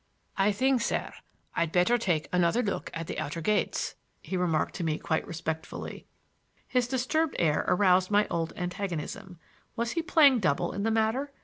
"I think, sir, I'd better take another look at the outer gates," he remarked to me quite respectfully. His disturbed air aroused my old antagonism. Was he playing double in the matter?